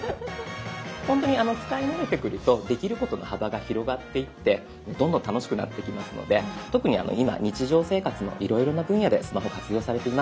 ほんとに使い慣れてくるとできることの幅が広がっていってどんどん楽しくなってきますので特に今日常生活のいろいろな分野でスマホ活用されています。